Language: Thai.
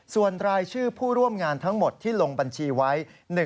ส่วนรายชื่อผู้ร่วมงานทั้งหมดที่ลงบัญชีไว้